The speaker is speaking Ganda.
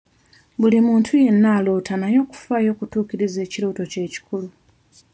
Buli muntu yenna aloota naye okufaayo okutuukiriza ekirooto kye kikulu.